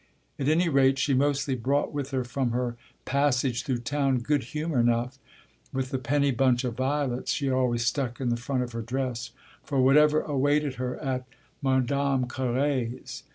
At any rate she mostly brought with her from her passage through the town good humour enough with the penny bunch of violets she always stuck in the front of her dress for whatever awaited her at Madame Carré's.